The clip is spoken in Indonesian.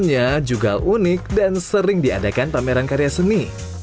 di area luar juga unik dan sering diadakan pameran karya seni